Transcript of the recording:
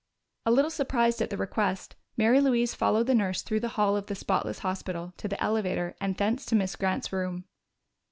A little surprised at the request, Mary Louise followed the nurse through the hall of the spotless hospital to the elevator and thence to Miss Grant's room.